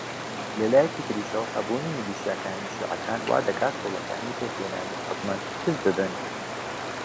لە لایەکی تریشەوە هەبوونی میلیشیاکانی شیعەکان وا دەکات هەوڵەکانی پێکهێنانی حکوومەت کز ببن